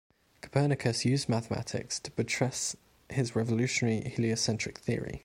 Copernicus used mathematics to buttress his revolutionary heliocentric theory.